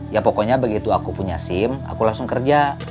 ya pokoknya begitu aku punya sim aku langsung kerja